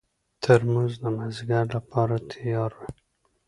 ترموز د مازدیګر لپاره تیار وي.